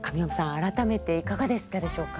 改めていかがでしたでしょうか？